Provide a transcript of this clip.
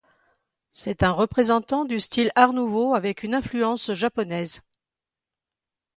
C'est un représentant du style art nouveau avec une influence japonaise.